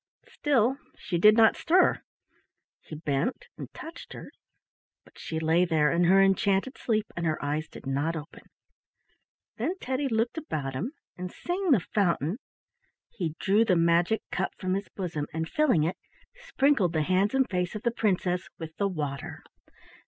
Still she did not stir. He bent and touched her, but she lay there in her enchanted sleep, and her eyes did not open. Then Teddy looked about him, and seeing the fountain he drew the magic cup from his bosom and, filling it, sprinkled the hands and face of the princess with the water.